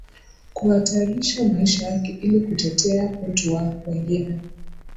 kuhatarisha maisha yake ili kutetea utu wa wengine